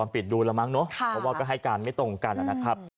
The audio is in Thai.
ปิดดูแล้วมั้งเนอะเพราะว่าก็ให้การไม่ตรงกันนะครับ